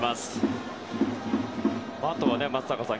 あとは松坂さん